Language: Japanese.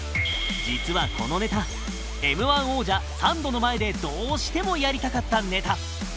実はこのネタ Ｍ−１ 王者サンドの前でどうしてもやりたかったネタ